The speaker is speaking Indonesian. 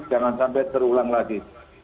jangan sampai terulang lagi